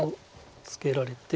ツケられて。